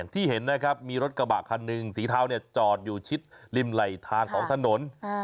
ที่เห็นนะครับมีรถกระบะคันหนึ่งสีเทาจอดอยู่ชิดริมไหลทางของถนน